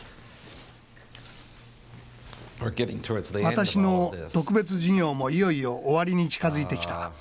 私の特別授業もいよいよ終わりに近づいてきた。